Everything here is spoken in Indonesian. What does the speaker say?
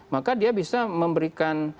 maka dia bisa memberikan